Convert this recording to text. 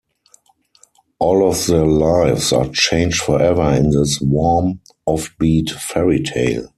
All of their lives are changed forever in this warm, offbeat fairytale.